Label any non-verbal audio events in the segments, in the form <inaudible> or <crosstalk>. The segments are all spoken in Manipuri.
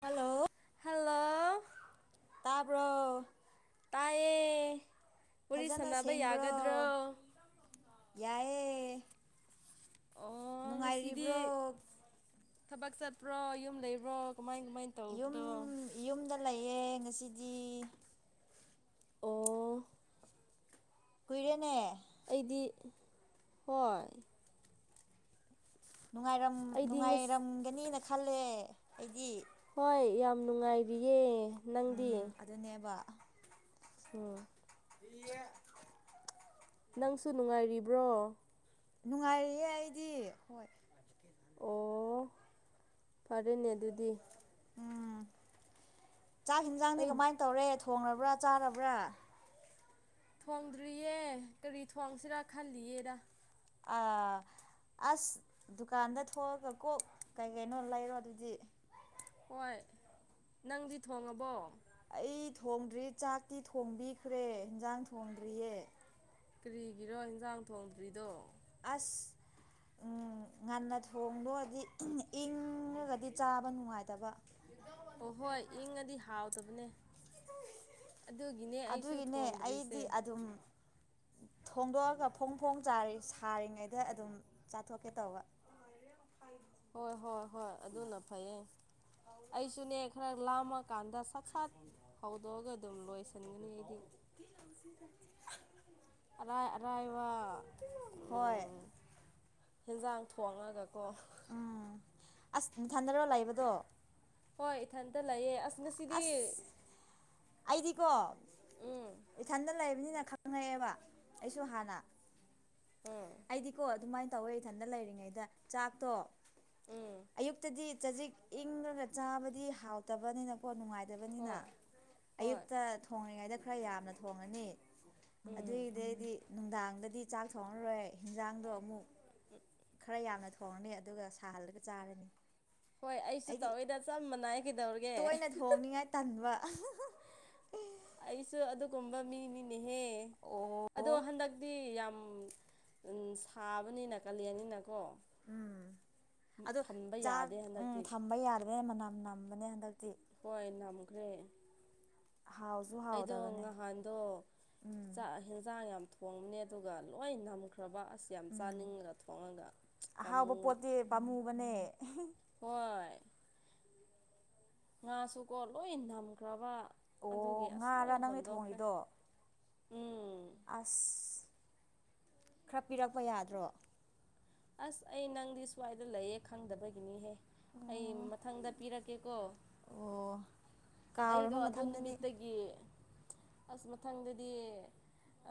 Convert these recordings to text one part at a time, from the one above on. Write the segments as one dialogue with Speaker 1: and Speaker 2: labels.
Speaker 1: ꯍꯜꯂꯣ
Speaker 2: ꯍꯥꯎ
Speaker 1: ꯇꯥꯕ꯭ꯔꯣ
Speaker 2: ꯇꯥꯏꯌꯦ ꯋꯥꯔꯤ
Speaker 1: ꯐꯖꯅ
Speaker 2: ꯁꯥꯟꯅꯕ
Speaker 1: ꯁꯦꯡꯕ꯭ꯔꯣ
Speaker 2: ꯌꯥꯒꯗ꯭ꯔꯣ
Speaker 1: ꯌꯥꯏꯌꯦ
Speaker 2: ꯑꯣ ꯉꯁꯤꯗꯤ
Speaker 1: ꯅꯨꯡꯉꯥꯏꯔꯤꯕ꯭ꯔꯣ
Speaker 2: ꯊꯕꯛ ꯆꯠꯄ꯭ꯔꯣ ꯌꯨꯝ ꯂꯩꯕ꯭ꯔꯣ ꯀꯃꯥꯏ ꯀꯃꯥꯏ
Speaker 1: ꯌꯨꯝ ꯌꯨꯝꯗ ꯂꯩꯌꯦ ꯉꯁꯤꯗꯤ
Speaker 2: ꯑꯣ
Speaker 1: ꯀꯨꯏꯔꯦꯅꯦ
Speaker 2: ꯑꯩꯗꯤ ꯍꯣꯏ
Speaker 1: ꯅꯨꯡꯉꯥꯏꯔꯝ
Speaker 2: ꯑꯩꯗꯤ ꯉꯁꯤ
Speaker 1: ꯅꯨꯡꯉꯥꯏꯔꯝꯒꯅꯤꯅ ꯈꯜꯂꯦ ꯑꯩꯗꯤ
Speaker 2: ꯍꯣꯏ ꯌꯥꯝ ꯅꯨꯡꯉꯥꯏꯔꯤꯌꯦ ꯅꯪꯗꯤ
Speaker 1: ꯎꯝ ꯑꯗꯨꯅꯦꯕ
Speaker 2: ꯎꯝ
Speaker 1: ꯌꯦ
Speaker 2: ꯅꯪꯁꯨ ꯅꯨꯡꯉꯥꯏꯔꯤꯕ꯭ꯔꯣ
Speaker 1: ꯅꯨꯡꯉꯥꯏꯔꯤꯌꯦ ꯑꯩꯗꯤ ꯍꯣꯏ
Speaker 2: ꯑꯣ ꯐꯔꯦꯅꯦ ꯑꯗꯨꯗꯤ
Speaker 1: ꯎꯝ ꯆꯥꯛ ꯍꯤꯟꯖꯥꯡꯗꯤ
Speaker 2: ꯑꯩ
Speaker 1: ꯀꯃꯥꯏꯅ ꯇꯧꯔꯦ ꯊꯣꯡꯉꯕ꯭ꯔꯥ ꯆꯥꯔꯕ꯭ꯔꯥ
Speaker 2: ꯊꯣꯡꯗ꯭ꯔꯤꯌꯦ ꯀꯔꯤ ꯊꯣꯡꯁꯤꯔꯥ ꯈꯜꯂꯤꯌꯦꯗ
Speaker 1: ꯑꯥ ꯑꯁ ꯗꯨꯀꯥꯟꯗ ꯊꯣꯛꯑꯒ ꯀꯣꯛ ꯀꯩ ꯀꯩꯅꯣ ꯂꯩꯔꯣ ꯑꯗꯨꯗꯤ
Speaker 2: ꯍꯣꯏ ꯅꯪꯗꯤ ꯊꯣꯡꯉꯥꯕꯣ
Speaker 1: ꯑꯩ ꯊꯣꯡꯗ꯭ꯔꯤ ꯆꯥꯛꯇꯤ ꯊꯣꯡꯕꯤꯈ꯭ꯔꯦ ꯍꯤꯟꯟꯖꯥꯡ ꯊꯣꯡꯗ꯭ꯔꯤꯌꯦ
Speaker 2: ꯀ꯭ꯔꯤꯒꯤꯔꯣ ꯍꯤꯟꯟꯖꯥꯡ ꯊꯣꯡꯗ꯭ꯔꯤꯗꯣ
Speaker 1: ꯑꯁ ꯎꯝ ꯉꯟꯅ ꯊꯣꯡꯕ ꯑꯣꯏꯗꯤ ꯏꯪꯉ ꯏꯪꯉꯒꯗꯤ ꯆꯥꯕ ꯅꯨꯡꯉꯥꯏꯇꯕ
Speaker 2: ꯑꯣꯍꯣꯏ ꯏꯪꯉꯥꯗꯤ ꯍꯥꯎꯇꯕꯅꯦ ꯑꯗꯨꯒꯤꯅꯦ ꯑꯩꯁꯨ
Speaker 1: ꯑꯗꯨꯒꯤꯅꯦ
Speaker 2: ꯊꯣꯡꯗ꯭ꯔꯤꯁꯦ
Speaker 1: ꯑꯩꯗꯤ ꯑꯗꯨꯝ ꯊꯣꯡꯗꯣꯛꯑꯒ ꯐꯣꯡ ꯐꯣꯡ ꯁꯥꯔꯤ ꯁꯥꯔꯤꯉꯩꯗ ꯑꯗꯨꯝ ꯆꯥꯊꯣꯛꯀꯦ ꯇꯧꯕ
Speaker 2: ꯍꯣꯏ ꯍꯣꯏ ꯍꯣꯏ ꯑꯗꯨꯅ ꯐꯩꯌꯦ ꯑꯩꯁꯨꯅꯦ ꯈꯔ ꯂꯥꯝꯃꯀꯥꯟꯗ ꯁꯠ ꯁꯠ ꯍꯧꯗꯣꯛꯑꯒ ꯑꯗꯨꯝ ꯂꯣꯏꯁꯤꯟꯒꯅꯤ ꯑꯩꯗꯤ ꯑꯔꯥꯏ ꯑꯔꯥꯏꯕ
Speaker 1: ꯍꯣꯏ
Speaker 2: ꯎꯝ ꯍꯤꯟꯖꯥꯡ ꯊꯣꯡꯉꯒꯀꯣ
Speaker 1: ꯎꯝ ꯑꯁ ꯅꯊꯟꯗꯔꯣ ꯂꯩꯕꯗꯣ
Speaker 2: ꯍꯣꯏ ꯏꯊꯟꯇ ꯂꯩꯌꯦ ꯑꯁ ꯉꯁꯤꯗꯤ
Speaker 1: ꯑꯁ ꯑꯩꯗꯤꯀꯣ
Speaker 2: ꯎꯝ
Speaker 1: ꯏꯊꯟꯇ ꯂꯩꯕꯅꯤꯅ ꯈꯪꯉꯛꯑ‌ꯦꯕ ꯑꯩꯁꯨ ꯍꯥꯟꯅ
Speaker 2: ꯎꯝ
Speaker 1: ꯑꯩꯗꯤꯀꯣ ꯑꯗꯨꯃꯥꯏꯅ ꯇꯧꯋꯦ ꯏꯊꯟꯇ ꯂꯩꯔꯤꯉꯩꯗ ꯆꯥꯛꯇꯣ
Speaker 2: ꯎꯝ
Speaker 1: ꯑꯌꯨꯛꯇꯗꯤ ꯆꯖꯤꯛ ꯏꯪꯉꯒ ꯆꯥꯕꯗꯤ ꯍꯥꯎꯇꯕꯅꯤꯅꯀꯣ ꯅꯨꯡꯉꯥꯏ ꯇꯕꯅꯤꯅ
Speaker 2: ꯍꯣꯏ ꯍꯣꯏ
Speaker 1: ꯑꯌꯨꯛꯇ ꯊꯣꯡꯉꯤꯉꯩꯗ ꯈꯔ ꯌꯥꯝꯅ ꯊꯣꯡꯉꯅꯤ ꯑꯗꯨꯏꯗꯩꯗꯤ ꯅꯨꯡꯗꯥꯡꯗꯗꯤ ꯆꯥꯛ ꯊꯣꯡꯉꯔꯣꯏ ꯍꯤꯟꯖꯥꯡꯗꯣ ꯑꯃꯨꯛ
Speaker 2: <inaudible>
Speaker 1: ꯈꯔ ꯌꯥꯝꯅ ꯊꯣꯡꯉꯅꯤ ꯑꯗꯨꯒ ꯁꯥꯍꯜꯂꯒ ꯆꯥꯔꯅꯤ
Speaker 2: ꯍꯣꯏ ꯑꯩꯁꯨ
Speaker 1: ꯑꯩꯗꯤ
Speaker 2: ꯇꯧꯏꯗ ꯆꯞ ꯃꯥꯟꯅꯩ ꯀꯩꯗꯧꯔꯒꯦ
Speaker 1: ꯇꯣꯏꯅ ꯊꯣꯡꯅꯤꯡꯉꯥꯏ ꯇꯟꯕ
Speaker 2: ꯑꯩꯁꯨ ꯑꯗꯨꯒꯨꯝꯕ ꯃꯤꯅꯤꯅꯦꯍꯦ
Speaker 1: ꯑꯣ
Speaker 2: ꯑꯗꯣ ꯍꯟꯗꯛꯇꯤ ꯌꯥꯝ ꯎꯝ ꯁꯥꯕꯅꯤꯅ ꯀꯜꯂꯤꯟ ꯅꯤꯅꯀꯣ
Speaker 1: ꯎꯝ ꯑꯗꯣ ꯆꯥꯛ
Speaker 2: ꯌꯥꯗꯦ
Speaker 1: ꯎꯝ
Speaker 2: ꯍꯟꯗꯛꯇꯤ
Speaker 1: ꯊꯝꯕ ꯌꯥꯗ꯭ꯔꯦ ꯃꯅꯝ ꯅꯝꯕꯅꯦ ꯍꯟꯗꯛꯇꯤ
Speaker 2: ꯍꯣꯏ ꯅꯝꯈ꯭ꯔꯦ
Speaker 1: ꯍꯥꯎ
Speaker 2: ꯑꯩꯗꯣ ꯉꯍꯥꯟꯗꯣ
Speaker 1: ꯎꯝ
Speaker 2: ꯆꯥꯛ ꯍꯦꯟꯖꯥꯡ ꯌꯥꯝ ꯊꯣꯡꯕꯅꯦ ꯑꯗꯨꯒ ꯂꯣꯏ ꯅꯝꯈ꯭ꯔꯕ ꯑꯁ ꯌꯥꯝ
Speaker 1: ꯎꯝ
Speaker 2: ꯆꯥꯅꯤꯡꯉꯒ ꯊꯣꯡꯉꯒ ꯄꯥꯝꯃꯨ
Speaker 1: ꯄꯝꯃꯨꯕꯅꯦ
Speaker 2: ꯍꯣꯏ ꯉꯥꯁꯨꯀꯣ ꯂꯣꯏꯟ ꯊꯝꯈ꯭ꯔꯕ ꯑꯗꯨꯒꯤ
Speaker 1: ꯑꯣ
Speaker 2: ꯑꯁ
Speaker 1: ꯉꯥꯔ
Speaker 2: ꯂꯣꯏꯅ
Speaker 1: ꯅꯪꯅ
Speaker 2: ꯍꯨꯟꯗꯣꯛꯈ꯭ꯔꯦ
Speaker 1: ꯊꯣꯡꯉꯤꯗꯣ
Speaker 2: ꯎꯝ
Speaker 1: ꯑꯁ ꯈꯔ ꯄꯤꯔꯛꯄ ꯌꯥꯗ꯭ꯔꯣ
Speaker 2: ꯑꯁ ꯑꯩ ꯅꯪꯗꯤ ꯁ꯭ꯋꯥꯏꯗ ꯂꯩꯌꯦ ꯈꯪꯗꯕꯒꯤꯅꯤꯍꯦ ꯑꯩ
Speaker 1: ꯑꯣ
Speaker 2: ꯃꯊꯪꯗ ꯄꯤꯔꯛꯀꯦꯀꯣ
Speaker 1: ꯑꯣ
Speaker 2: ꯑꯩꯗꯣ
Speaker 1: ꯀꯥꯎꯔꯅꯨ
Speaker 2: ꯑꯗꯨ
Speaker 1: ꯃꯊꯪꯗꯗꯤ
Speaker 2: ꯅꯨꯃꯤꯠꯇꯒꯤ ꯑꯁ ꯃꯊꯪꯗꯗꯤ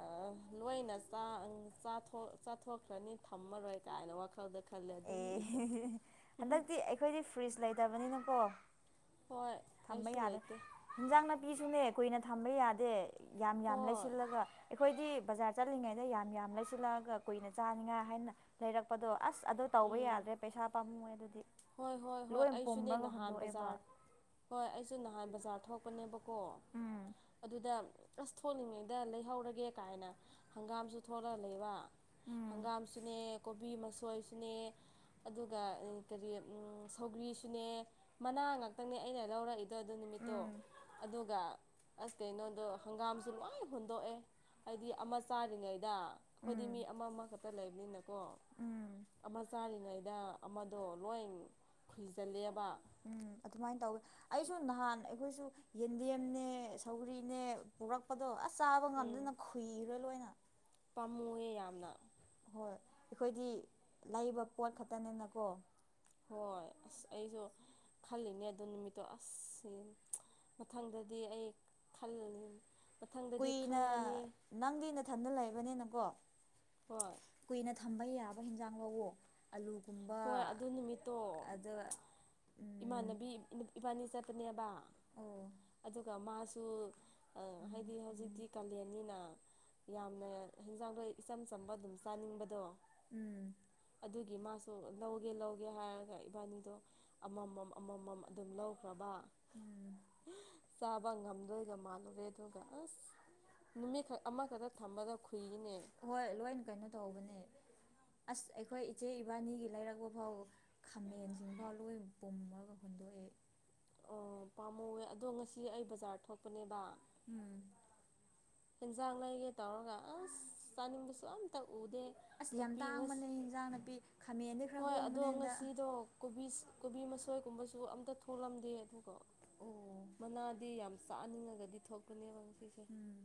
Speaker 2: ꯑꯥ ꯂꯣꯏꯅ ꯆꯥ ꯑꯪ ꯆꯊꯣꯛ ꯆꯥꯊꯣꯛꯈ꯭ꯔꯅꯤ ꯊꯝꯃꯔꯣꯏ ꯀꯥꯏꯅ ꯋꯥꯈꯜ ꯑꯗꯨꯗ ꯈꯜꯂꯦ ꯑꯗꯨ ꯅꯨꯃꯤꯠꯇꯨ
Speaker 1: ꯑꯦ ꯍꯟꯗꯛꯇꯤ ꯑꯩꯈꯣꯏꯗꯤ ꯐ꯭ꯔꯤꯖ ꯂꯩꯇꯕꯅꯤꯅꯀꯣ
Speaker 2: ꯍꯣꯏ
Speaker 1: ꯊꯝꯕ
Speaker 2: ꯑꯩꯁꯨ
Speaker 1: ꯌꯥꯗꯦ
Speaker 2: ꯂꯩꯇꯦ
Speaker 1: ꯏꯟꯖꯥꯡ ꯅꯥꯄꯤꯁꯨꯅꯦ ꯀꯨꯏꯅ ꯊꯝꯕ ꯌꯥꯗꯦ ꯌꯥꯝ ꯌꯥꯝ
Speaker 2: ꯍꯣꯏ
Speaker 1: ꯂꯩꯁꯤꯜꯂꯒ ꯑꯩꯈꯣꯏꯗꯤ ꯕꯖꯥꯔ ꯆꯠꯂꯤꯉꯩꯗ ꯌꯥꯝ ꯌꯥꯝ ꯂꯩꯁꯤꯜꯂꯛꯑꯒ ꯀꯨꯏꯅ ꯆꯥꯅꯤꯡꯉꯥꯏ ꯍꯥꯏꯅ ꯂꯩꯔꯛꯄꯗꯣ ꯑꯁ ꯑꯠ ꯇꯧꯕ ꯌꯥꯗ꯭ꯔꯦ ꯄꯩꯁꯥ ꯄꯥꯝꯃꯣꯏ ꯑꯗꯨꯗꯤ
Speaker 2: ꯍꯣꯏ ꯍꯣꯏ ꯍꯣꯏ
Speaker 1: ꯂꯣꯏ
Speaker 2: ꯑꯩꯁꯨꯅꯦ
Speaker 1: ꯄꯨꯝꯔꯒ
Speaker 2: ꯅꯍꯥꯟ
Speaker 1: ꯍꯨꯟꯗꯣꯛꯑꯦꯕ
Speaker 2: ꯕꯖꯥꯔ ꯍꯣꯏ ꯑꯩꯁꯨ ꯅꯍꯥꯟ ꯕꯖꯥꯔ ꯊꯣꯛꯄꯅꯦꯕꯀꯣ
Speaker 1: ꯎꯝ
Speaker 2: ꯑꯗꯨꯗ ꯑꯁ ꯊꯣꯛꯂꯤꯉꯩꯗ ꯂꯩꯍꯧꯔꯒꯦ ꯀꯥꯏꯅ ꯍꯪꯒꯥꯝꯁꯨ ꯊꯣꯛꯂ ꯂꯩꯕ
Speaker 1: ꯎꯝ
Speaker 2: ꯍꯪꯒꯥꯝꯁꯨꯅꯦ ꯀꯣꯕꯤ ꯃꯁꯣꯏꯁꯨꯅꯦ ꯑꯗꯨꯒ ꯏ ꯀꯔꯤ ꯎꯝ ꯁꯧꯒ꯭ꯔꯤꯁꯨꯅꯦ ꯃꯅꯥ ꯉꯥꯛꯇꯪꯅꯦ ꯑꯩꯅ ꯂꯧꯔꯛꯏ ꯑꯗꯨ ꯅꯨꯃꯤꯠꯇꯣ
Speaker 1: ꯎꯝ
Speaker 2: ꯑꯗꯨ ꯇ ꯑꯗꯨꯒ ꯑꯁ ꯀꯩꯅꯣꯗꯣ ꯍꯪꯒꯥꯝꯁꯨ ꯂꯣꯏꯟ ꯍꯨꯟꯗꯣꯛꯑꯦ ꯍꯥꯏꯗꯤ ꯑꯃꯁ ꯆꯥꯔꯤꯉꯩꯗ ꯑꯩꯈꯣꯏꯗꯤ ꯃꯤ
Speaker 1: ꯎꯝ
Speaker 2: ꯑꯃ ꯑꯃꯈꯛꯇ ꯂꯩꯕꯅꯤꯅ ꯀꯣ
Speaker 1: ꯎꯝ
Speaker 2: ꯑꯃ ꯆꯥꯔꯤꯉꯩꯗ ꯑꯃꯗꯣ ꯂꯣꯏ ꯈꯨꯨꯏꯖꯜꯂꯦꯕ
Speaker 1: ꯎꯝ ꯑꯗꯨꯃꯥꯏꯟ ꯇꯧꯋꯤ ꯑꯩꯁꯨ ꯅꯍꯥꯟ ꯑꯩꯈꯣꯏꯁꯨ ꯌꯦꯟꯗꯦꯝꯅꯦ ꯁꯧꯔꯤꯅꯦ ꯄꯨꯔꯛꯄꯗꯣ ꯑꯁ ꯆꯥꯕ ꯉꯝꯗꯅ ꯈꯨꯨꯏꯔꯦ ꯂꯣꯏꯅ
Speaker 2: ꯄꯥꯝꯃꯨꯑꯦ ꯌꯥꯝꯅ
Speaker 1: ꯍꯣꯏ ꯑꯩꯈꯣꯏꯗꯤ ꯂꯩꯕ ꯄꯣꯠ ꯈꯛꯇꯅꯤꯅꯀꯣ
Speaker 2: ꯍꯣꯏ ꯑꯁ ꯑꯩꯁꯨ ꯈꯜꯂꯤꯅꯦ ꯑꯗꯨ ꯅꯨꯃꯤꯠꯇꯣ ꯑꯁ ꯎꯝ ꯃꯊꯪꯗꯗꯤ ꯑꯩ <inaudible>
Speaker 1: ꯀꯨꯏꯅ
Speaker 2: ꯈꯪꯉꯅꯤ
Speaker 1: ꯅꯪꯗꯤ ꯅꯊꯟꯗ ꯂꯩꯕꯅꯤꯅꯀꯣ
Speaker 2: ꯍꯣꯏ
Speaker 1: ꯀꯨꯏꯅ ꯊꯝꯕ ꯌꯥꯕ ꯍꯤꯟꯖꯥꯡ ꯂꯧꯋꫭ ꯑꯂꯨꯒꯨꯝꯕ
Speaker 2: ꯍꯣꯏ ꯑꯗꯨ ꯅꯨꯃꯤꯠꯇꯣ
Speaker 1: ꯑꯗ ꯎꯝ
Speaker 2: ꯏꯃꯥꯟꯅꯕꯤ ꯏꯕꯥꯅꯤ ꯆꯠꯄꯅꯦꯕ
Speaker 1: ꯑꯣ
Speaker 2: ꯑꯗꯨꯒ ꯃꯥꯁꯨ ꯑꯪ ꯍꯥꯏꯗꯤ ꯍꯧꯖꯤꯛꯇꯤ ꯀꯥꯂꯦꯟꯅꯤꯅ ꯌꯥꯝꯅ ꯍꯦꯟꯖꯥꯡꯗꯣꯏ ꯏꯆꯝ ꯆꯝꯕ ꯑꯗꯨꯝ ꯆꯥꯅꯤꯡꯕꯗꯣ
Speaker 1: <inaudible>
Speaker 2: ꯑꯗꯨꯒꯤ ꯃꯥꯁ ꯂꯧꯒꯦ ꯂꯧꯒꯦ ꯍꯥꯏꯔꯒ ꯏꯕꯥꯅꯤꯗꯣ ꯑꯃꯃꯝ ꯑꯃꯃꯝ ꯑꯗꯨꯝ ꯂꯧꯈ꯭ꯔꯕ
Speaker 1: <inaudible>
Speaker 2: ꯆꯥꯕ ꯉꯝꯗꯣꯏꯒ ꯃꯥꯜꯂꯨꯔꯦ ꯑꯗꯨꯒ ꯑꯁ ꯅꯨꯃꯤꯠꯈꯛ ꯑꯃꯈꯇ ꯊꯝꯕꯗ ꯈꯨꯨꯏꯔꯤꯅꯦ
Speaker 1: ꯍꯣꯏ ꯂꯣꯏꯅ ꯀꯩꯅꯣ ꯇꯧꯕꯅꯦ ꯑꯁ ꯑꯩꯈꯣꯏ ꯏꯆꯦ ꯏꯕꯥꯅꯤꯒꯤ ꯂꯩꯔꯛꯄ ꯐꯥꯎꯕ ꯈꯥꯃꯦꯟꯖꯤꯡꯐꯎ ꯂꯣꯏ ꯄꯨꯝꯝꯃꯒ ꯍꯨꯟꯗꯣꯛꯑꯦ
Speaker 2: ꯑꯣ ꯄꯥꯝꯃꯨꯋꯦ ꯑꯗꯣ ꯉꯁꯤ ꯑꯩ ꯕꯖꯥꯔ ꯊꯣꯛꯄꯅꯦꯕ
Speaker 1: ꯎꯝ
Speaker 2: ꯍꯤꯟꯖꯥꯡ ꯂꯩꯒꯦ ꯇꯧꯔꯒ ꯑꯁ ꯆꯥꯅꯤꯡꯕꯁꯨ ꯑꯝꯇ ꯎꯗꯦ
Speaker 1: ꯑꯁ ꯌꯥꯝ
Speaker 2: ꯅꯥꯄꯤ ꯉꯁꯤ
Speaker 1: ꯇꯥꯡꯕꯅꯦ ꯏꯟꯖꯥꯡ ꯅꯄꯤ
Speaker 2: ꯍꯣꯏ ꯑꯗꯣ ꯉꯁꯤꯗꯣ ꯀꯣꯕꯤꯁ ꯀꯣꯕꯤ ꯃꯁꯣꯏꯒꯨꯝꯕꯁꯨ ꯑꯝꯇ ꯊꯣꯛꯂꯝꯗꯦ ꯑꯗꯨꯒ
Speaker 1: ꯑꯣ
Speaker 2: ꯃꯅꯥꯗꯤ ꯌꯥꯝ ꯆꯥꯅꯤꯡꯉꯒꯗꯤ ꯊꯣꯛꯄꯅꯦꯕ ꯉꯁꯤꯁꯦ
Speaker 1: ꯎꯝ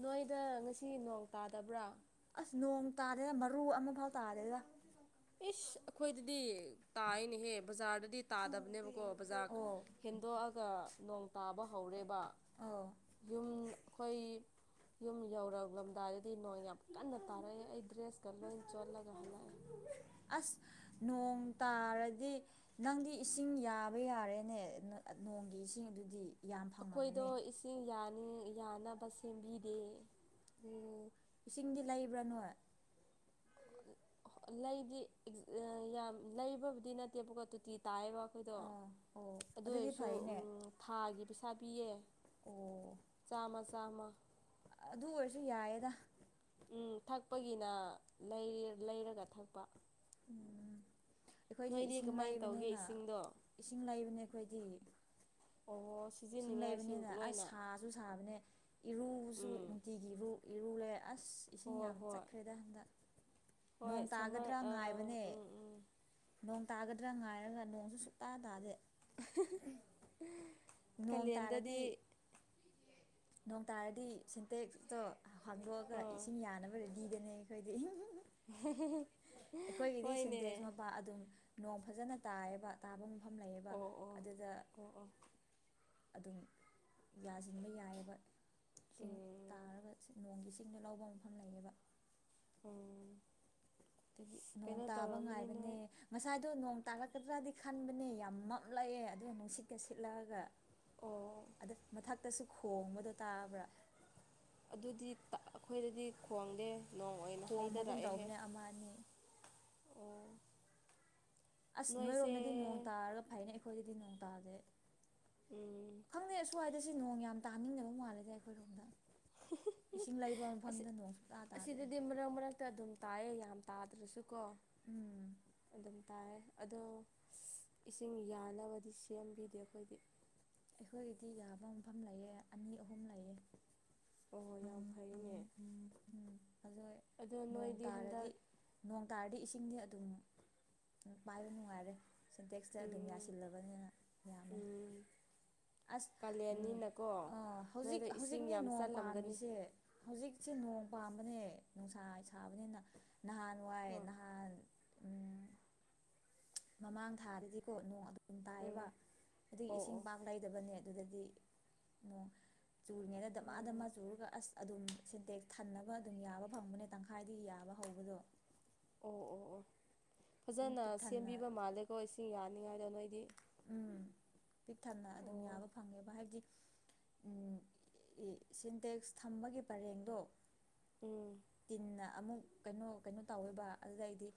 Speaker 2: ꯅꯣꯏꯗ ꯉꯁꯤ ꯅꯣꯡ ꯇꯥꯗꯕ꯭ꯔꯥ
Speaker 1: ꯑꯁ ꯅꯣꯡ ꯇꯥꯔꯦ ꯃꯔꯨ ꯑꯃꯐꯥꯎ ꯇꯥꯔꯦꯗ
Speaker 2: ꯏꯁ ꯑꯩꯈꯣꯏꯗꯗꯤ ꯇꯥꯏꯅꯦꯍꯦ ꯕꯖꯥꯔꯗꯗꯤ ꯇꯥꯗꯕꯅꯦꯕꯀꯣ ꯕꯖꯥꯔ
Speaker 1: ꯑꯣ
Speaker 2: ꯍꯦꯟꯗꯣꯛꯑꯒ ꯅꯣꯡ ꯇꯥꯕ ꯍꯧꯔꯦꯕ
Speaker 1: ꯑꯣ
Speaker 2: ꯌꯨꯝ ꯑꯈꯣꯏ ꯌꯨꯝ ꯌꯧꯔꯛꯂꯝꯗꯥꯏꯗꯗꯤ ꯅꯣꯡ ꯌꯥꯝ ꯀꯟꯅ ꯇꯥꯔꯛꯑꯦ ꯑꯩ ꯗ꯭ꯔꯦꯁꯀ ꯂꯣꯏ ꯆꯣꯠꯂꯒ ꯍꯜꯂꯛꯑꯦ
Speaker 1: ꯑꯁ ꯅꯣꯡ ꯇꯥꯔꯗꯤ ꯅꯪꯗꯤ ꯏꯁꯤꯡ ꯌꯥꯕ ꯌꯥꯔꯦꯅꯦ ꯅꯑ ꯅꯣꯡꯒꯤ ꯏꯁꯤꯡ ꯑꯗꯨꯗꯤ ꯌꯥꯝ
Speaker 2: ꯑꯩꯈꯣꯏꯗꯣ
Speaker 1: ꯐꯪꯉꯝꯃꯅꯤ
Speaker 2: ꯏꯁꯤꯡ ꯌꯥꯅꯤ ꯌꯥꯅꯕ ꯁꯦꯝꯕꯤꯗꯦ
Speaker 1: ꯎꯝ ꯏꯁꯤꯡꯗꯤ ꯂꯩꯕ꯭ꯔ ꯅꯣꯏ
Speaker 2: ꯂꯩꯗꯤ ꯏꯛ ꯌꯥꯝ ꯂꯩꯕꯕꯨꯗꯤ ꯅꯠꯇꯦꯕꯀ ꯇꯣꯇꯤ ꯇꯥꯏꯕ ꯗꯣ
Speaker 1: ꯑꯣ ꯑꯣ
Speaker 2: ꯑꯗꯨ
Speaker 1: ꯑꯗꯨꯗꯤ
Speaker 2: ꯑꯣꯏꯁꯨ
Speaker 1: ꯐꯩꯅꯦ
Speaker 2: ꯎꯝ ꯊꯥꯒꯤ ꯄꯩꯁꯥ ꯄꯤꯌꯦ
Speaker 1: ꯑꯣ
Speaker 2: ꯆꯥꯝꯃ ꯆꯥꯝꯃ
Speaker 1: ꯑꯗꯨ ꯑꯣꯏꯔꯁꯨ ꯌꯥꯏꯌꯦꯗ
Speaker 2: ꯎꯝ ꯊꯛꯄꯒꯤꯅ ꯂꯩꯔꯦ ꯂꯩꯔꯒ ꯊꯛꯄ
Speaker 1: ꯑꯈꯣꯏꯗꯤ
Speaker 2: ꯅꯣꯏꯗꯤ
Speaker 1: ꯏꯁꯤꯡ
Speaker 2: ꯀꯃꯥꯏꯅ ꯇꯧꯒꯦ
Speaker 1: ꯂꯩꯕꯅꯦꯅ
Speaker 2: ꯏꯁꯤꯡꯗꯣ
Speaker 1: ꯏꯁꯤꯡ ꯂꯩꯕꯅꯦ ꯑꯈꯣꯏꯗꯤ
Speaker 2: ꯑꯣ
Speaker 1: ꯁꯤꯡ
Speaker 2: ꯁꯤꯖꯤꯟꯅꯅꯤꯡꯉꯥꯏꯁꯨ
Speaker 1: ꯂꯩꯕꯅꯤꯅ ꯑꯁ
Speaker 2: ꯂꯣꯏꯅ
Speaker 1: ꯁꯥ ꯖꯨ ꯁꯥꯕꯅꯦ ꯏꯔꯨꯁꯨ
Speaker 2: ꯎꯝ
Speaker 1: ꯅꯨꯡꯇꯤꯒꯤ ꯏꯔꯨ ꯏꯔꯨꯂꯦ ꯑꯁ ꯏꯁꯤꯡ
Speaker 2: ꯍꯣꯏ
Speaker 1: ꯌꯥꯝ
Speaker 2: ꯍꯣꯏ
Speaker 1: ꯆꯠꯈ꯭ꯔꯦꯗ ꯍꯟꯗꯛ
Speaker 2: ꯍꯣꯏ
Speaker 1: ꯅꯣꯡ
Speaker 2: ꯁꯝꯃꯔ
Speaker 1: ꯇꯥꯒꯗ꯭ꯔꯥ
Speaker 2: ꯑꯥ
Speaker 1: ꯉꯥꯏꯕꯅꯦ
Speaker 2: ꯎꯝ ꯎꯝ
Speaker 1: ꯅꯣꯡ ꯇꯥꯒꯗ꯭ꯔꯥ ꯉꯥꯏꯔꯒ ꯅꯣꯡꯁꯨ ꯁꯨꯛꯇꯥ ꯇꯥꯗꯦ
Speaker 2: <unintelligible>
Speaker 1: ꯅꯣꯡ
Speaker 2: ꯀꯥꯂꯦꯟꯗꯗꯤ
Speaker 1: ꯇꯥꯔꯗꯤ ꯅꯣꯡ ꯇꯥꯔꯗꯤ ꯁꯤꯟꯇꯦꯛꯁꯇꯣ ꯍꯥꯡꯗꯣꯛꯑꯒ
Speaker 2: ꯑꯥ
Speaker 1: ꯏꯁꯤꯡ ꯌꯥꯅꯕ ꯔꯦꯗꯤꯗꯅꯦ ꯑꯩꯈꯣꯏꯗꯤ <unintelligible> ꯑꯩꯈꯣꯏꯒꯤꯗꯤ
Speaker 2: ꯍꯣꯏꯅꯦ
Speaker 1: ꯁꯤꯟꯇꯦꯛꯁ ꯃꯄꯥ ꯑꯗꯨꯝ ꯅꯣꯡ ꯐꯖꯅ ꯇꯥꯏꯑꯕ ꯇꯥꯕ ꯃꯐꯝ ꯂꯩꯌꯦꯕ
Speaker 2: ꯑꯣ ꯑꯣ
Speaker 1: ꯑꯗꯨꯗ
Speaker 2: ꯑꯣ ꯑꯣ
Speaker 1: ꯑꯗꯨꯝ ꯌꯥꯖꯤꯟꯕ ꯌꯥ ꯆꯤꯡ
Speaker 2: ꯎꯝ
Speaker 1: ꯇꯥꯔꯒ ꯅꯣꯡꯒꯤ ꯏꯁꯤꯡꯗ ꯂꯧꯕꯝ
Speaker 2: ꯎꯝ
Speaker 1: ꯗꯒꯤ ꯅꯣꯡ
Speaker 2: ꯀꯩꯅꯣ
Speaker 1: ꯇꯥꯕ
Speaker 2: ꯇꯧꯔꯝꯃꯅꯤ
Speaker 1: ꯉꯥꯏꯕꯅꯦ
Speaker 2: ꯅꯣꯏ
Speaker 1: ꯉꯁꯥꯏꯗꯣ ꯅꯣꯡ ꯇꯥꯛꯔꯛꯀꯗ꯭ꯔꯗꯤ ꯈꯟꯕꯅꯦ ꯌꯥꯝ ꯃꯝꯂꯛꯑꯦ ꯑꯗꯨ ꯅꯨꯡꯁꯤꯠꯀ ꯁꯤꯠꯂꯛꯑꯒ
Speaker 2: ꯑꯣ
Speaker 1: ꯑꯗ ꯃꯊꯛꯇꯁꯨ ꯈꯣꯡꯕꯗꯣ ꯇꯥꯕ꯭ꯔꯥ
Speaker 2: ꯑꯗꯨꯗꯤ ꯇ ꯑꯈꯣꯏꯗꯗꯤ ꯈꯣꯡꯗꯦ ꯅꯣꯡ ꯑꯣꯏꯅ
Speaker 1: ꯍꫭꯝꯕꯒꯨꯝ
Speaker 2: ꯍꯩꯊꯔꯛꯑꯦꯍꯦ
Speaker 1: ꯇꯧꯕꯅꯦ ꯑꯃ ꯑꯅꯤ
Speaker 2: ꯑꯣ
Speaker 1: ꯑꯁ
Speaker 2: ꯅꯣꯏꯁꯦ
Speaker 1: ꯅꯣꯏꯔꯣꯝꯗꯗꯤ ꯅꯣꯡ ꯇꯥꯔꯒ ꯐꯩꯅꯦ ꯑꯩꯈꯣꯏꯗꯗꯤ ꯅꯣꯡ ꯇꯥꯗꯦ
Speaker 2: ꯎꯝ
Speaker 1: ꯈꯪꯗꯦ ꯑꯁ꯭ꯋꯥꯏꯗ ꯁꯤ ꯅꯣꯡ ꯌꯥꯝ ꯇꯥꯅꯤꯡꯗꯕ ꯃꯥꯜꯂꯦꯗ ꯑꯩꯈꯣꯏꯔꯣꯝꯗ ꯏꯁꯤꯡ ꯂꯩꯕ
Speaker 2: ꯑꯁꯤ
Speaker 1: ꯃꯐꯝꯗ ꯅꯣꯡ ꯁꯨꯛꯇꯥ ꯇꯥꯗꯦ
Speaker 2: ꯑꯁꯤꯗꯗꯤ ꯃꯔꯛ ꯃꯔꯛꯇ ꯑꯗꯨꯝ ꯇꯥꯏꯌꯦ ꯌꯥꯝ ꯇꯥꯗ꯭ꯔꯁꯨꯀꯣ
Speaker 1: ꯎꯝ
Speaker 2: ꯑꯗꯨꯝ ꯇꯥꯌꯦ ꯑꯗꯣ ꯏꯁꯤꯡ ꯌꯥꯅꯕꯗꯤ ꯁꯦꯝꯕꯤꯗꯦ ꯑꯩꯈꯣꯏꯗꯤ
Speaker 1: ꯑꯩꯈꯣꯏꯒꯤꯗꯤ ꯌꯥꯕ ꯃꯐꯝ ꯂꯩꯌꯦ ꯑꯅꯤ ꯑꯍꯨꯝ ꯂꯩꯌꯦ
Speaker 2: ꯑꯣꯏ ꯌꯥꯝ ꯍꯩꯌꯦ
Speaker 1: ꯎꯝ ꯑꯗꯣ ꯅꯣꯡ
Speaker 2: ꯅꯣꯏꯗꯤ ꯍꯟꯗꯛ
Speaker 1: ꯇꯥꯔꯗꯤ ꯅꯣꯡ ꯇꯥꯔꯗꯤ ꯏꯁꯤꯡꯗꯤ ꯑꯗꯨꯝ ꯎꯝ ꯄꯥꯏꯕ ꯅꯨꯡꯉꯥꯏꯔꯦ ꯁꯦꯟꯇꯦꯛꯁꯇ ꯑꯗꯨꯝ
Speaker 2: ꯎꯝ
Speaker 1: ꯌꯥꯁꯤꯜꯂꯕꯅꯤꯅ ꯌꯥꯝꯃꯦ ꯑꯁ ꯎꯝ
Speaker 2: ꯀꯥꯂꯦꯟꯅꯤꯅꯀꯣ
Speaker 1: ꯑꯥ ꯍꯧꯖꯤꯛ
Speaker 2: ꯅꯣꯏꯗ ꯏꯁꯤꯡ
Speaker 1: ꯍꯧꯖꯤꯛꯅꯦ
Speaker 2: ꯌꯥꯝ
Speaker 1: ꯅꯣꯡ
Speaker 2: ꯆꯜꯂꯝꯒꯅꯤ
Speaker 1: ꯄꯥꯝꯃꯤꯁꯦ ꯍꯧꯖꯤꯛꯁꯦ ꯅꯣꯡ ꯄꯥꯝꯕꯅꯦ ꯅꯨꯡꯁꯥ ꯁꯥꯕꯅꯤꯅ ꯅꯍꯥꯟꯋꯥꯏ
Speaker 2: ꯍꯣꯏ
Speaker 1: ꯅꯍꯥꯟ ꯎꯝ ꯃꯃꯥꯡ ꯊꯥꯗꯗꯤꯀꯣ ꯅꯣꯡ ꯑꯗꯨ__ ꯎꯝ ꯇꯥꯏꯌꯦꯕ ꯑꯗꯨꯒꯤ
Speaker 2: ꯑꯣ
Speaker 1: ꯏꯁꯤꯡ
Speaker 2: ꯑꯣ
Speaker 1: ꯄꯥꯛ ꯂꯩꯗꯕꯅꯦ ꯑꯗꯨꯗꯗꯤ ꯆꯨꯔꯤꯉꯩꯗ ꯗ ꯃꯥ ꯗ
Speaker 2: ꯎꯝ
Speaker 1: ꯃꯥ ꯆꯨꯔꯒ ꯑꯁ ꯑꯗꯨꯝ ꯁꯦꯟꯇꯦꯛ ꯊꯟꯅꯕ ꯑꯗꯨꯝ ꯌꯥꯕ ꯐꯪꯕꯅꯦ ꯇꯪꯈꯥ__ ꯈꯥꯏꯗꯤ ꯌꯥꯕ ꯍꯧꯕꯗꯣ
Speaker 2: ꯑꯣ ꯑꯣ ꯑꯣ
Speaker 1: ꯑꯗꯨꯝ
Speaker 2: ꯐꯖꯅ
Speaker 1: ꯄꯤꯛ ꯊꯟꯅ
Speaker 2: ꯁꯦꯝꯕꯤꯕ ꯃꯥꯜꯂꯦꯀꯣ ꯏꯁꯤꯡ ꯌꯥꯅꯤꯉꯥꯏꯗꯣ ꯅꯣꯏꯗꯤ
Speaker 1: ꯎꯝ ꯄꯤꯛ ꯊꯟꯅ ꯑꯗꯨꯝ
Speaker 2: ꯑꯣ
Speaker 1: ꯌꯥꯕ ꯐꯪꯉꯦꯕ ꯍꯥꯏꯕꯗꯤ ꯎꯝ ꯏ ꯁꯤꯟꯇꯦꯛꯁ ꯊꯝꯕꯒꯤ ꯄꯔꯦꯡꯗꯣ
Speaker 2: ꯎꯝ
Speaker 1: ꯇꯤꯟꯅ ꯑꯃꯨꯛ ꯀꯩꯅꯣ ꯀꯩꯅꯣ ꯇꯧꯋꯦꯕ ꯑꯗꯨꯗꯩꯗꯤ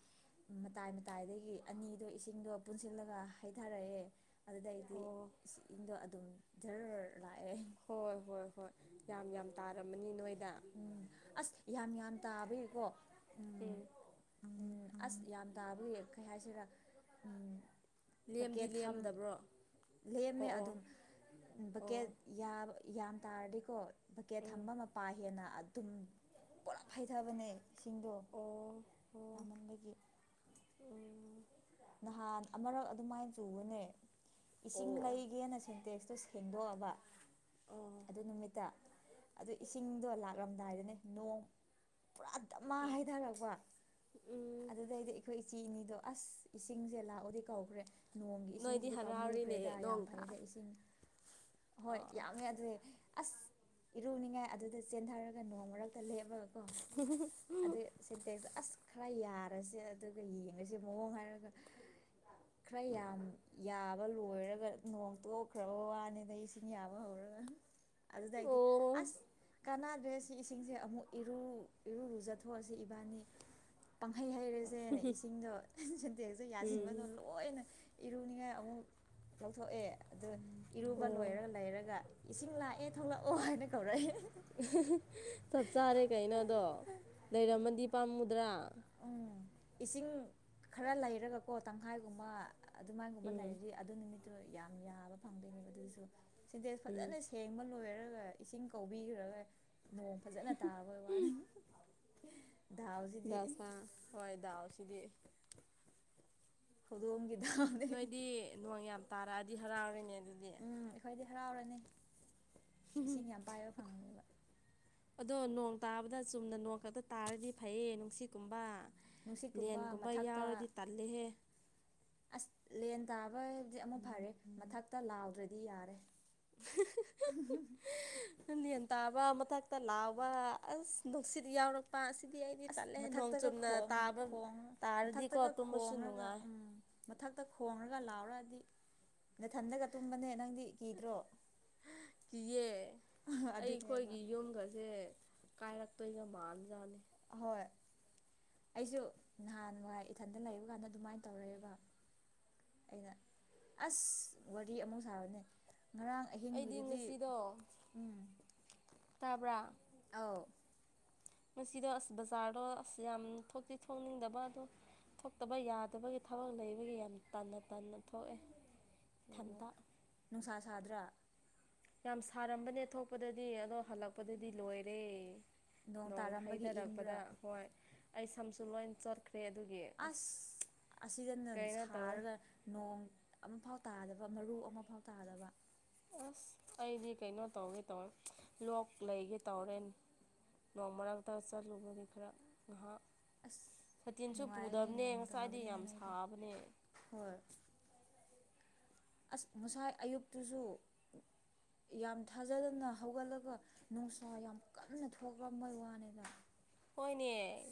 Speaker 1: ꯃꯇꯥꯏ ꯃꯇꯥꯏꯗꯒꯤ ꯑꯅꯤꯗꯣ ꯏꯁꯤꯡꯗꯣ ꯄꯨꯟꯁꯤꯜꯂꯒ ꯍꯥꯏꯠ__ ꯊꯥꯔꯛꯑꯦ ꯑꯗꯨꯗꯩꯗꯤ
Speaker 2: ꯑꯣ
Speaker 1: ꯏꯁꯤꯡ ꯗꯣ ꯑꯗꯨꯝ ꯖꯔ ꯂꯥꯛꯑꯦ
Speaker 2: ꯍꯣꯏ ꯍꯣꯏ ꯍꯣꯏ ꯌꯥꯝ ꯌꯥꯝ ꯇꯥꯔꯝꯃꯅꯤ ꯅꯣꯏꯗ
Speaker 1: ꯎꯝ ꯑꯁ ꯌꯥꯝ ꯌꯥꯝ ꯇꯥꯕꯒꯤꯀꯣ ꯎꯝ ꯎꯝ ꯑꯁ ꯌꯥꯝ ꯇꯥꯕꯒꯤ ꯀꯩ ꯍꯥꯏꯁꯤꯔꯥ ꯎꯝ
Speaker 2: ꯂꯦꯝꯗꯤ
Speaker 1: ꯕꯛꯀꯦꯠ ꯊꯝ
Speaker 2: ꯂꯦꯝꯗꯕ꯭ꯔꯣ
Speaker 1: ꯂꯦꯝꯃꯦ
Speaker 2: ꯑꯣ ꯑꯣ
Speaker 1: ꯑꯗꯨꯝ
Speaker 2: ꯑꯣ
Speaker 1: ꯕꯥꯀꯦꯠ ꯌꯦꯕ ꯌꯥꯝ ꯇꯥꯔꯗꯤꯀꯣ ꯕꯛꯀꯦꯠ
Speaker 2: ꯎꯝ
Speaker 1: ꯊꯝꯕ ꯃꯄꯥ ꯍꯦꯟꯅ ꯑꯗꯨꯝ ꯄꯨꯂꯞ ꯍꯩꯊꯕꯅꯦ ꯏꯁꯤꯡꯗꯣ
Speaker 2: ꯑꯣ ꯑꯣ
Speaker 1: ꯌꯥꯝꯃꯟꯕꯒꯤ
Speaker 2: ꯎꯝ
Speaker 1: ꯅꯍꯥꯟ ꯑꯃꯔꯛ ꯑꯗꯨꯃꯥꯏꯟ ꯆꯨꯕꯅꯦ ꯏꯁꯤꯡ
Speaker 2: ꯑꯣ ꯑꯣ
Speaker 1: ꯂꯩꯒꯦꯅ ꯁꯦꯟꯇꯦꯛꯁꯇꯣ ꯁꯦꯡꯗꯣꯛꯑꯕ
Speaker 2: ꯑꯣ
Speaker 1: ꯑꯗꯨ ꯅꯨꯃꯤꯠꯇ ꯑꯗꯨ ꯏꯁꯤꯡꯗꯣ ꯂꯥꯛ__ ꯔꯝꯗꯥꯏꯗꯅꯦ ꯅꯣꯡ ꯄꯨꯔꯥ ꯗꯥꯃꯥ ꯍꯩꯗꯔꯛꯄ
Speaker 2: ꯎꯝ
Speaker 1: ꯑꯗꯨꯗꯩꯗꯤ ꯏ__ ꯑꯩꯈꯣꯏ ꯏꯆꯤ ꯏꯅꯤꯗꯣ ꯑꯁ ꯏꯁꯤꯡꯁꯦ ꯂꯥꯛꯑꯣꯗꯤ ꯀꯧꯈ꯭ꯔꯦ ꯅꯣꯡꯒꯤ
Speaker 2: ꯅꯣꯏꯗꯤ
Speaker 1: ꯏꯁꯤꯡꯁꯤꯗꯤ
Speaker 2: ꯍꯔꯥꯎꯔꯤꯅꯦ
Speaker 1: ꯄꯥꯝꯃꯨꯈ꯭ꯔꯦꯗ ꯌꯥꯝ
Speaker 2: ꯅꯣꯡꯇ
Speaker 1: ꯐꯩꯌꯦꯗ ꯏꯁꯤꯡ ꯍꯣꯏ
Speaker 2: ꯑꯣ
Speaker 1: ꯌꯥꯝꯃꯦ ꯑꯗꯨꯏ ꯑꯁ ꯏꯔꯨꯅꯤꯡꯉꯥꯏ ꯑꯗꯨꯗ ꯆꯦꯟꯊꯔꯒ ꯅꯣꯡꯃ ꯃꯔꯛꯇ ꯂꯦꯞꯂꯒꯀꯣ
Speaker 2: <unintelligible>
Speaker 1: ꯁꯦꯟꯇꯦꯛꯁ ꯑꯁ ꯈꯔ ꯌꯥꯔꯁꯦ ꯑꯗꯨꯒ ꯌꯦꯡꯉꯁꯦ ꯃꯑꯣꯡ ꯍꯥꯏꯔꯒ ꯈꯔ ꯌꯥꯝ ꯌꯥ__
Speaker 2: <inaudible>
Speaker 1: ꯅꯣꯡ ꯇꯣꯛꯈ꯭ꯔꯕ ꯋꯥꯅꯤꯗ ꯏꯁꯤꯡ ꯌꯥꯕ ꯍꯧꯔꯒ ꯑꯗꯨꯗꯥꯏꯗꯤ
Speaker 2: ꯑꯣ
Speaker 1: ꯑꯁ ꯀꯥꯟꯅꯗ꯭ꯔꯦ ꯁꯤ ꯏꯁꯤꯡꯁꯦ ꯑꯃꯨꯛ ꯏꯔꯨ ꯏꯔꯨꯨꯔꯨꯖꯊꯣꯛꯑꯁꯤ ꯏꯕꯥꯅꯤ ꯄꯪꯍꯩ ꯍꯩꯔꯁꯦꯅꯦ ꯏꯁꯤꯡꯗꯣ ꯁꯦꯟꯇꯦꯛꯁꯨ ꯌꯥꯁꯤꯟꯕꯗꯣ
Speaker 2: ꯎꯝ
Speaker 1: ꯂꯣꯏꯅ ꯏꯔꯨꯅꯤꯡꯉꯥꯏ ꯑꯃꯨꯛ ꯂꯧꯊꯣꯛꯑꯦ ꯑꯗꯨ__ ꯏꯔꯨꯕ
Speaker 2: ꯑꯣ
Speaker 1: ꯂꯣꯏꯔꯒ ꯂꯩꯔꯒ ꯏꯁꯤꯡ ꯂꯥꯛꯑꯦ ꯊꯣꯛꯂꯛꯑꯣ ꯍꯥꯏꯅ ꯀꯧꯔꯛꯑꯦ
Speaker 2: ꯆꯞ ꯆꯥꯔꯦ ꯀꯩꯅꯣ ꯑꯗꯣ ꯂꯩꯔꯝꯃꯗꯤ ꯄꯥꯝꯃꯨꯗ꯭ꯔꯥ
Speaker 1: ꯎꯝ ꯏꯁꯤꯡ ꯈꯔ ꯂꯩꯔꯒꯀꯣ ꯇꯪꯈꯥꯏꯒꯨꯝꯕ ꯑꯗꯨꯃꯥꯏꯒꯨꯝꯕ
Speaker 2: ꯎꯝ
Speaker 1: ꯂꯩꯔꯗꯤ ꯑꯗꯨ ꯅꯨꯃꯤꯠꯇꯨ ꯌꯥꯝ ꯌꯥꯕ ꯐꯪꯗꯣꯏꯅꯦꯕ ꯑꯗꯨꯁꯨ ꯁꯤꯟꯇꯦꯛꯁ
Speaker 2: ꯎꯝ
Speaker 1: ꯐꯖꯅ ꯁꯦꯡꯕ ꯂꯣꯏꯔꯒ ꯏꯁꯤꯡ ꯀꯧꯕꯤꯈ꯭ꯔꯒ ꯅꯣꯡ ꯐꯖꯅ ꯇꯥꯕꯩ ꯋꯥꯅꯤ ꯗꯥꯎꯁꯤꯗꯤ
Speaker 2: ꯗꯁꯥ ꯍꯣꯏ ꯗꯥꯎꯁꯤꯗꯤ
Speaker 1: ꯍꯧꯗꯣꯡꯒꯤ ꯗꯥꯎ
Speaker 2: ꯅꯣꯏꯗꯤ ꯅꯣꯡ ꯌꯥꯝ ꯇꯥꯔꯛꯑꯗꯤ ꯍꯔꯥꯎꯔꯦꯅꯦ ꯑꯗꯨꯗꯤ
Speaker 1: ꯎꯝ ꯑꯩꯈꯣꯏꯗꯤ ꯍꯔꯥꯎꯔꯅꯤ ꯏꯁꯤꯡ ꯌꯥꯝ ꯄꯥꯏꯕ ꯐꯪꯉꯅꯦꯕ
Speaker 2: ꯑꯗꯣ ꯅꯣꯡ ꯇꯥꯕꯗ ꯆꯨꯝꯅ ꯅꯣꯡ ꯈꯛꯇ ꯇꯥꯔꯗꯤ ꯐꯩꯌꯦ ꯅꯨꯡꯁꯤꯠ ꯀꯨꯝꯕ
Speaker 1: ꯅꯨꯡꯁꯤꯠꯀꯨꯝꯕ
Speaker 2: ꯂꯦꯟꯒꯨꯝꯕ
Speaker 1: ꯃꯊꯛꯇ
Speaker 2: ꯌꯥꯎꯔꯗꯤ ꯇꯜꯂꯦꯍꯦ
Speaker 1: ꯑꯁ ꯂꯦꯟ ꯇꯥꯕꯗꯤ ꯑꯃꯨꯛ ꯐꯔꯦ ꯃꯊꯛꯇ ꯂꯥꯎꯗ꯭ꯔꯗꯤ ꯌꯥꯔꯦ <unintelligible>
Speaker 2: ꯅꯪ ꯂꯦꯟ ꯇꯥꯕ ꯃꯊꯛꯇ ꯂꯥꯎꯕ ꯑꯁ ꯅꯨꯡꯁꯤꯠ ꯌꯥꯎꯔꯛ ꯄꯥ ꯑꯁꯤꯗꯤ ꯑꯩꯗꯤ
Speaker 1: ꯑꯁ
Speaker 2: ꯇꯜꯂꯦ ꯅꯣꯡ
Speaker 1: ꯃꯊꯛꯇꯒ
Speaker 2: ꯆꯨꯝꯅ
Speaker 1: ꯈꯣꯡ
Speaker 2: ꯇꯥꯕ
Speaker 1: ꯈꯣꯡ
Speaker 2: ꯇꯥꯔꯗꯤꯀꯣ
Speaker 1: ꯃꯊꯛꯇꯒ
Speaker 2: ꯇꯨꯝꯕꯁꯨ
Speaker 1: ꯈꯣꯡꯔꯒ
Speaker 2: ꯅꯨꯡꯉꯥꯏ
Speaker 1: ꯎꯝ ꯃꯊꯛꯇ ꯈꯣꯡꯔꯒ ꯂꯥꯎꯔꯛꯑꯗꯤ ꯅꯊꯟꯗꯒ ꯇꯨꯝꯕꯅꯦ ꯅꯪꯗꯤ ꯀꯤꯗ꯭ꯔꯣ
Speaker 2: ꯀꯤꯌꯦ ꯑꯩ
Speaker 1: ꯑꯗꯨꯅꯦꯕ
Speaker 2: ꯈꯣꯏꯒꯤ ꯌꯨꯝꯒꯁꯦ ꯀꯥꯏꯔꯛꯇꯣꯏꯒ ꯃꯥꯟꯖꯥꯠꯅꯤ
Speaker 1: ꯍꯣꯏ ꯑꯩꯁꯨ ꯅꯍꯥꯟꯋꯥꯏ ꯏꯊꯟꯗ ꯂꯩꯕ ꯀꯥꯟꯗ ꯑꯗꯨꯃꯥꯏꯅ ꯇꯧꯔꯛꯑꯦꯕ ꯑꯩꯅ ꯑꯁ ꯋꯥꯔꯤ ꯑꯃꯨꯛ ꯁꯥꯕꯅꯦ ꯉꯔꯥꯡ
Speaker 2: ꯑꯩꯗꯤ
Speaker 1: ꯑꯍꯤꯡꯒꯤꯗꯨꯗꯤ
Speaker 2: ꯉꯁꯤꯗꯣ
Speaker 1: ꯎꯝ
Speaker 2: ꯇꯥꯕ꯭ꯔꯥ
Speaker 1: ꯑꯧ
Speaker 2: ꯉꯁꯤꯗꯣ ꯑꯁ ꯕꯖꯥꯔꯗꯣ ꯑꯁ ꯌꯥꯝ ꯊꯣꯛꯇꯤ ꯊꯣꯛꯅꯤꯡꯗꯕ ꯑꯗꯣ ꯊꯣꯛꯇꯕ ꯌꯥꯗꯕꯒꯤ ꯊꯕꯛ ꯂꯩꯕꯒꯤ ꯌꯥꯝ ꯇꯟꯅ ꯇꯟꯅ ꯊꯣꯛꯑꯦ
Speaker 1: ꯑꯣ
Speaker 2: ꯏꯊꯟꯇ
Speaker 1: ꯅꯨꯡꯁꯥ ꯁꯥꯗ꯭ꯔꯥ
Speaker 2: ꯌꯥꯝ ꯁꯥꯔꯝꯕꯅꯦ ꯊꯣꯛꯄꯗꯗꯤ ꯑꯗꯣ ꯍꯜꯂꯛꯄꯗꯗꯤ ꯂꯣꯏꯔꯦ ꯅꯣꯡ
Speaker 1: ꯇꯥꯔꯝꯕꯒꯤ
Speaker 2: ꯍꯩꯗꯔꯛꯄꯗ
Speaker 1: ꯏꯪꯕ꯭ꯔꯥ
Speaker 2: ꯍꯣꯏ ꯑꯩ ꯁꯝꯁꯨ ꯂꯣꯏ ꯆꯣꯠꯈ꯭ꯔꯦ ꯑꯗꯨꯒꯤ
Speaker 1: ꯑꯁ ꯑꯁꯤꯗꯅ
Speaker 2: ꯀꯩꯅꯣ ꯇꯧꯋꯦ
Speaker 1: ꯁꯥꯔꯒ ꯅꯣꯡ ꯑꯃꯐꯥꯎ ꯇꯥꯗꯕ ꯃꯔꯨ ꯑꯃꯐꯥꯎ ꯇꯥꯗꯕ
Speaker 2: ꯑꯁ ꯑꯩꯗꯤ ꯀꯩꯅꯣ ꯇꯧꯒꯦ ꯇꯧꯋꯦ ꯂꯣꯛ ꯂꯩꯒꯦ ꯇꯧꯔꯦꯅꯦ ꯅꯣꯡ ꯃꯔꯛꯇ ꯆꯠꯂꯨꯕꯒꯤ ꯈꯔ ꯉꯍꯥꯛ
Speaker 1: ꯑꯁ
Speaker 2: ꯁꯥꯇꯤꯟꯁꯨ
Speaker 1: ꯅꯨꯡꯉꯥꯏꯅꯦ
Speaker 2: ꯄꯨꯗꯕꯅꯦ
Speaker 1: ꯅꯣꯡ
Speaker 2: ꯉꯁꯥꯏꯗꯤ
Speaker 1: ꯇꯥꯕꯅꯤꯅ
Speaker 2: ꯌꯥꯝ
Speaker 1: ꯅꯣꯏꯗꯤ
Speaker 2: ꯁꯥꯕꯅꯦ
Speaker 1: ꯍꯣꯏ ꯑꯁ ꯉꯁꯥꯏ ꯑꯌꯨꯛꯇꯨꯁꯨ ꯌꯥꯝ ꯊꯥꯖꯗꯅ ꯍꯧꯒꯠꯂꯒ ꯅꯨꯡꯁꯥ ꯌꯥꯝ ꯀꯟꯅ ꯊꯣꯛꯔꯝꯕꯩ ꯋꯥꯅꯤꯗ
Speaker 2: ꯍꯣꯏꯅꯦ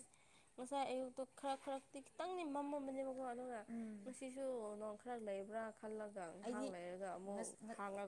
Speaker 2: ꯉꯁꯥꯏ ꯑꯌꯨꯛꯇꯣ ꯈꯔ ꯈꯔꯛꯇꯤ ꯈꯤꯇꯪꯗꯤ ꯃꯝꯃꯝꯕꯅꯦꯕ ꯀꯣ ꯑꯗꯨꯒ
Speaker 1: ꯎꯝ
Speaker 2: ꯉꯁꯤꯁꯨ ꯅꯣꯡ ꯈꯔ ꯂꯩꯕ꯭ꯔꯥ ꯈꯜꯂꯒ ꯉꯍꯥꯛ
Speaker 1: ꯑꯩꯗꯤ
Speaker 2: ꯂꯩꯔꯒ ꯑꯃꯨꯛ
Speaker 1: ꯉꯁ
Speaker 2: ꯍꯥꯡꯉꯛ